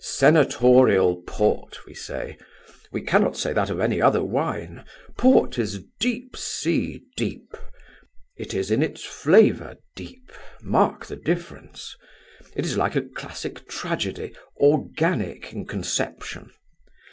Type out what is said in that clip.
Senatorial Port! we say. We cannot say that of any other wine. Port is deep sea deep. It is in its flavour deep; mark the difference. It is like a classic tragedy, organic in conception.